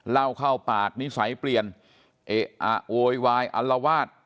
เล่าเข้าปากนิสัยเปลี่ยนเอะอะโวยวายอัลวาด